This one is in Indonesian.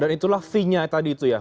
dan itulah fee nya tadi itu ya